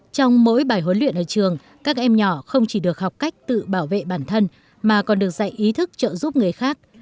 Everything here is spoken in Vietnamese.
trong mỗi bài huấn luyện ở trường các em nhỏ không chỉ được học cách tự bảo vệ bản thân mà còn được dạy ý thức trợ giúp người khác